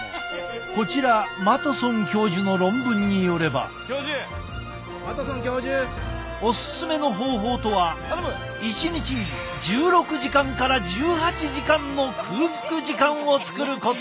こちらマトソン教授の論文によればオススメの方法とは一日１６時間から１８時間の空腹時間を作ること！